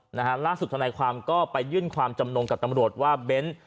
นะฮะล่าสุดธนายความก็ไปยื่นความจำนงกับตำรวจว่าเบ้น